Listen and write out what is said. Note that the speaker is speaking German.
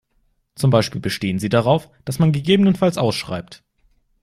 Zum Beispiel bestehen sie darauf, dass man gegebenenfalls ausschreibt.